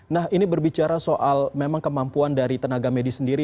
nah ini berbicara soal memang kemampuan dari tenaga medis sendiri